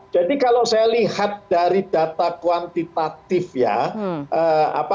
jadi kalau saya lihat dari data kuantitatif ya